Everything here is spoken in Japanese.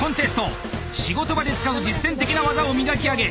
仕事場で使う実践的な技を磨き上げ